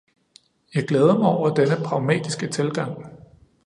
Jeg glæder mig over denne pragmatiske tilgang.